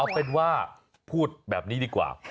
เอาเป็นว่าพูดแบบนี้ดีกว่า